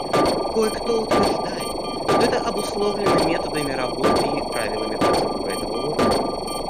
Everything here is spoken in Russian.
Кое-кто утверждает, что это обусловлено методами работы и правилами процедуры этого органа.